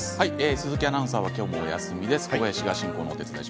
鈴木アナウンサーは今日もお休みです。